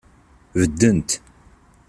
Beddent.